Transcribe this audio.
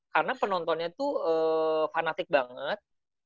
karena penontonnya itu fanatik banget